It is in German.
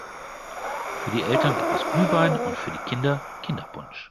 Für die Eltern gibt es Glühwein und für die Kinder Kinderpunsch.